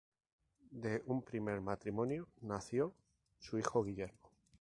De un primer matrimonio nació su hijo Guillermo.